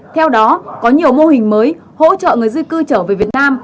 theo đó có nhiều mô hình mới hỗ trợ người di cư trở về việt nam